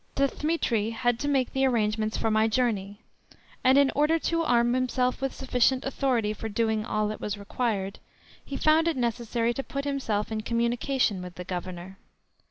Dthemetri had to make the arrangements for my journey, and in order to arm himself with sufficient authority for doing all that was required, he found it necessary to put himself in communication with the Governor.